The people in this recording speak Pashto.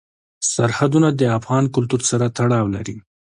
سرحدونه د افغان کلتور سره تړاو لري.